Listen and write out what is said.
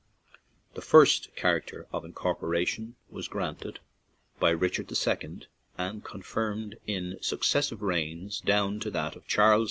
The first charter of incorporation was granted by Richard II., and confirmed in successive reigns down to that of Charles II.